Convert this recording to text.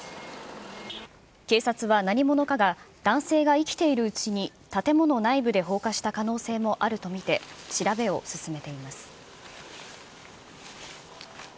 警察は何者かが男性が生きているうちに建物内部で放火した可能性もあると見て、調べを進めています。